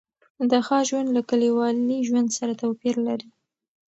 د ښار ژوند له کلیوالي ژوند سره توپیر لري.